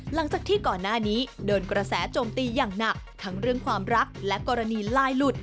หลังจากที่ก่อนหน้านี้โดนกระแสโจมตีอย่างหนักทั้งเรื่องความรักและกรณีลายหลุด